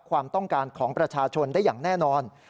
ความต้องการของประชาชนได้อย่างแน่นอน